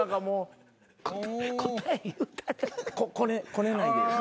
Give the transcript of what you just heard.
こねないでよ。